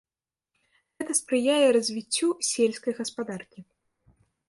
Гэта спрыяе развіццю сельскай гаспадаркі.